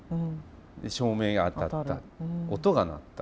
で照明が当たった音が鳴った。